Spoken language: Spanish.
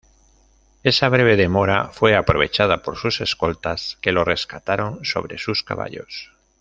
Esa breve demora fue aprovechada por sus escoltas que lo rescataron sobre sus caballos.